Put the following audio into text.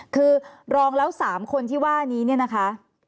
คือรองแล้ว๓คนที่ว่านี้เนี่ยนะคะ